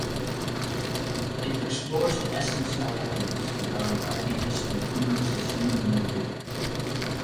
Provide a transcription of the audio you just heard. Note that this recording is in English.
It explores the essence of happiness and how happiness influences human behavior.